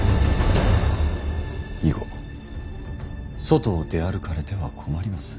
以後外を出歩かれては困ります。